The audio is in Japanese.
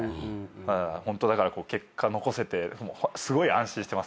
ホントだから結果残せてすごい安心してます